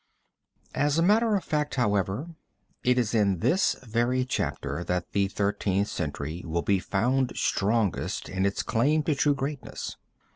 As a matter of fact, however, it is in this very chapter that the Thirteenth Century will be found strongest in its claim to true greatness.